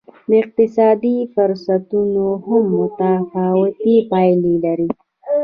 د اقتصادي فرصتونو هم متفاوتې پایلې لرلې.